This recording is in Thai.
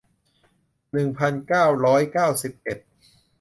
หนึ่งพันเก้าร้อยเก้าสิบเอ็ด